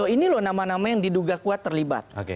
ini loh nama nama yang diduga kuat terlibat